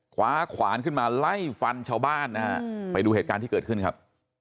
ขวาขวานขึ้นมาไล่ฟันชาวบ้านนะฮะไปดูเหตุการณ์ที่เกิดขึ้นครับ